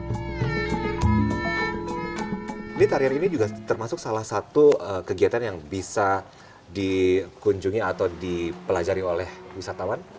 jadi tarian ini juga termasuk salah satu kegiatan yang bisa dikunjungi atau dipelajari oleh wisatawan